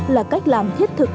là cách làm thiết thực